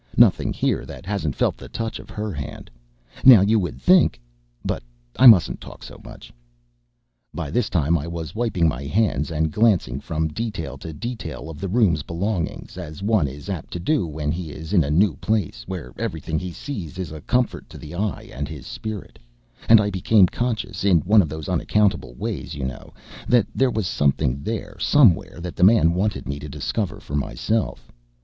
Nothing here that hasn't felt the touch of her hand. Now you would think But I mustn't talk so much." By this time I was wiping my hands and glancing from detail to detail of the room's belongings, as one is apt to do when he is in a new place, where everything he sees is a comfort to his eye and his spirit; and I became conscious, in one of those unaccountable ways, you know, that there was something there somewhere that the man wanted me to discover for myself.